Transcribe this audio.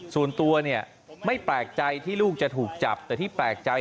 ส่วนตัวเนี่ยไม่แปลกใจที่ลูกจะถูกจับแต่ที่แปลกใจ